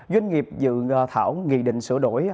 doanh nghiệp dự thảo nghị định sửa đổi